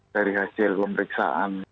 dari hasil pemeriksaan